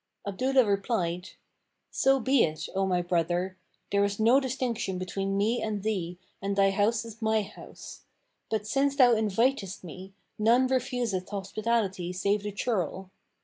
Abdullah replied, "So be it, O my brother; there is no distinction between me and thee and thy house is my house; but since thou invitest me, none refuseth hospitality save the churl."